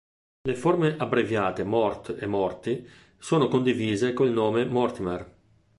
Le forme abbreviate Mort e Morty sono condivise con il nome Mortimer.